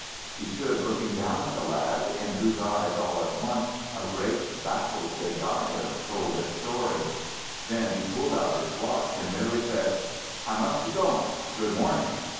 He stood looking down at the lad, in whose eyes all at once a great baffled desire told its story. Then he pulled out his watch and merely said: "I must be going. Good morning."